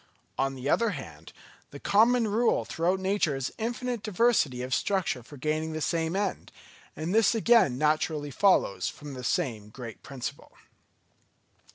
On the other hand, the common rule throughout nature is infinite diversity of structure for gaining the same end; and this again naturally follows from the same great principle.